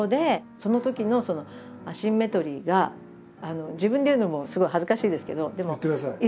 そのときのそのアシンメトリーが自分で言うのもすごい恥ずかしいですけど。